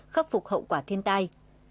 khắc phục hậu quả thiên tai